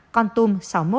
con tùm sáu mươi một